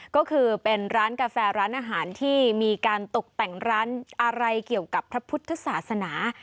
ก็คือเป็นร้านกาแฟร้านอาหารที่มีการตกแต่งร้านอะไรเกี่ยวกับพระพุทธศาสนา